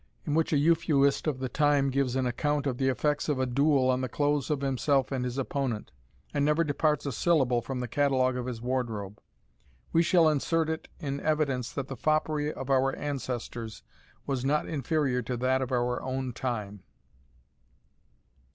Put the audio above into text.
in which a Euphuist of the time gives an account of the effects of a duel on the clothes of himself and his opponent, and never departs a syllable from the catalogue of his wardrobe. We shall insert it in evidence that the foppery of our ancestors was not inferior to that of our own time.